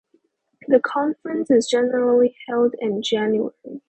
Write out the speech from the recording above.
The conference is generally held in January.